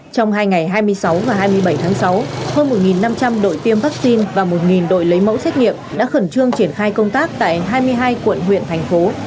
trong hai ngày hai mươi sáu và hai mươi bảy tháng sáu hơn một năm trăm linh đội tiêm vaccine và một đội lấy mẫu xét nghiệm đã khẩn trương triển khai công tác tại hai mươi hai quận huyện thành phố